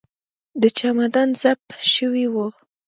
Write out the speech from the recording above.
د چمدان زپ شوی و.